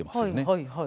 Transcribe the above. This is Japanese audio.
はいはい。